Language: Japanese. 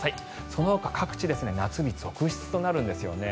そのほか各地、夏日続出となるんですね。